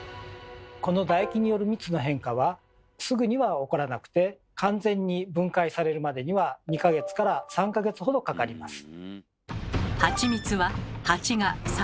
このだ液による蜜の変化はすぐには起こらなくて完全に分解されるまでには２か月から３か月ほどかかります。